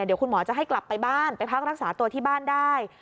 เดี๋ยวคุณหมอจะให้กลับไปบ้านไปพักรักษาตัวที่บ้านได้